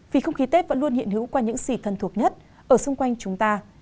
vì không khí tết vẫn luôn hiện hữu qua những gì thân thuộc nhất ở xung quanh chúng ta